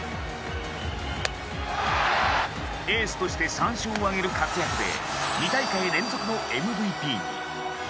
エースとして３勝を挙げる活躍で２大会連続のＭＶＰに。